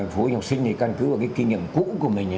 phụ huynh học sinh thì căn cứ vào cái kinh nghiệm cũ của mình